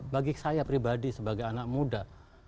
bagi saya pribadi sebagai anak muda